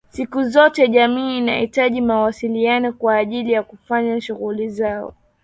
Siku zote jamii inahitaji mawasiliano kwa ajili ya kufanya shughuli zao